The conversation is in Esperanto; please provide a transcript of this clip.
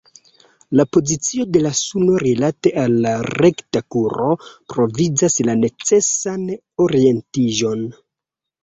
La pozicio de la suno rilate al la rekta kuro provizas la necesan orientiĝon.